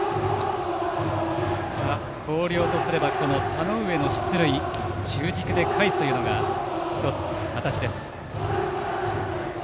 広陵とすれば田上の出塁中軸で返すというのが１つ、攻撃の形です。